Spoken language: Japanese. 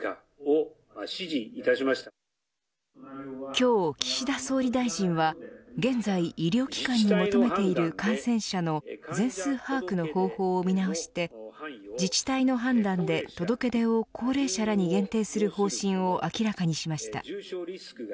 今日、岸田総理大臣は現在、医療機関に求めている感染者の全数把握の方法を見直して自治体の判断で、届け出を高齢者らに限定する方針を明らかにしました。